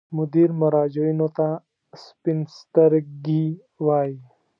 مدیر مراجعینو ته سپین سترګي وایي.